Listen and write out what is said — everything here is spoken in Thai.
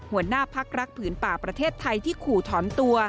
หัวหน้าพักรักผืนป่าประเทศไทยที่ขู่ถอนตัว